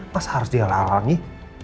masa harus dia lalang nih